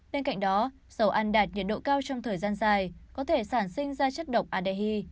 bên cạnh đó dầu ăn đạt nhiệt độ cao trong thời gian dài có thể sản sinh ra chất độc a đềhi